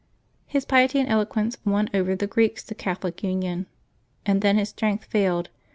His piety and eloquence won oyer the Greeks to Catholic union, and then his strength failed.